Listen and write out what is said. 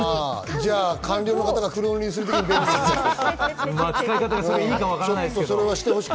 じゃあ、官僚の方が黒塗りするときに引く。